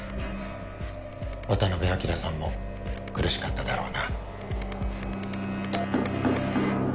渡辺昭さんも苦しかっただろうな